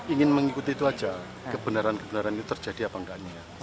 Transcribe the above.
ingin mengikuti itu aja kebenaran kebenaran itu terjadi apa enggak